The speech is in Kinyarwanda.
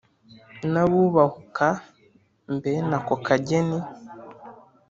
nabubahuka mbene ako kageni